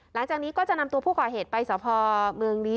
หลังจากนี้ก็จะนำตัวผู้ก่อเหตุไปสพเมืองนี้